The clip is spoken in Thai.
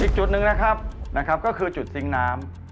อีกจุดหนึ่งนะครับก็คือจุดทิ้งน้ำ